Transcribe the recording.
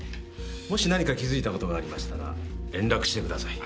もし何か気付いたことがありましたら連絡してください